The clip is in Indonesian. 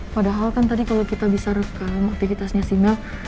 padahal kan tadi kalo kita bisa rekam aktivitasnya si mel